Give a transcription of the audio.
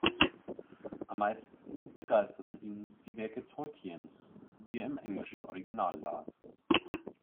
Am meisten begeisterten ihn die Werke Tolkiens, die er im englischen Original las.